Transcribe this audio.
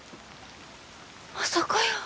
まさかやー。